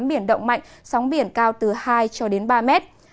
biển động mạnh sóng biển cao từ hai cho đến ba mét